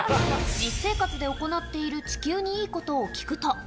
実生活で行っている地球にいいことを聞くと。